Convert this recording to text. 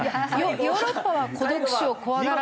ヨーロッパは孤独死を怖がらないって。